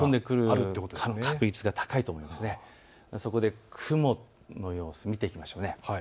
そこで雲の様子見ていきましょう。